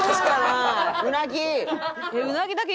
うなぎ！